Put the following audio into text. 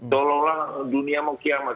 tolonglah dunia mau kiamat